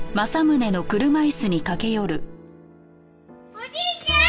おじいちゃん！